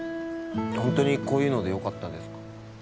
ホントにこういうのでよかったですか？